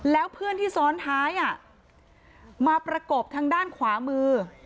แล้วเพื่อนที่ซ้อนท้ายมาประกบทางด้านขวามือ